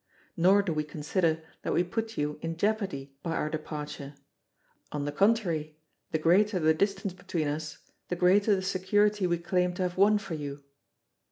Nor do we consider that we put you in jeopardy by our departure; on the contrary, the greater the distance between us the greater the security we claim to have won for you.